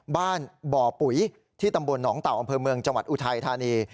บ้านบ่อปุ๋ยที่ตำบลหนองเต่าอำเภอเมืองจังหวัดอุทัยธานี